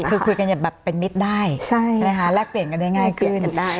คือคุยกันอย่างแบบเป็นมิตรได้นะคะแลกเปลี่ยนกันได้ง่ายขึ้น